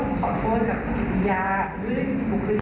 ถึงจะเป็นช่วงเวลาแค่สองที